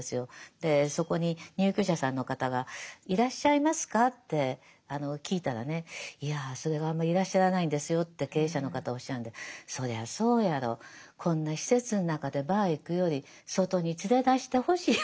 でそこに入居者さんの方がいらっしゃいますか？って聞いたらねいやそれがあんまりいらっしゃらないんですよって経営者の方おっしゃるんでそりゃそうやろこんな施設の中でバー行くより外に連れ出してほしいわって。